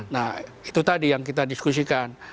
nah itu tadi yang kita diskusikan